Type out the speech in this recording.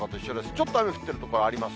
ちょっと雨降ってる所あります。